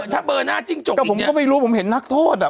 ถ้าเบอร์หน้าจิ้งจกผมก็ไม่รู้ผมเห็นนักโทษ